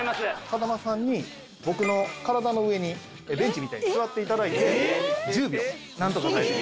風間さんに僕の体の上にベンチみたいに座っていただいて１０秒何とか耐えて。